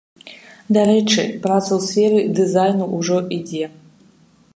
Дарэчы, праца ў сферы дызайну ўжо ідзе.